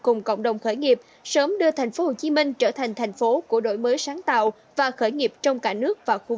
cùng cộng đồng khởi nghiệp sớm đưa tp hcm trở thành thành phố của đổi mới sáng tạo và khởi nghiệp trong cả nước và khu vực